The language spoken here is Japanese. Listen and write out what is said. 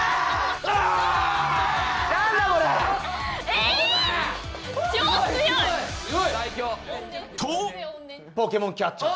えぇ。とポケモンキャッチャー。